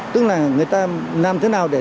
tức là người ta làm thế nào để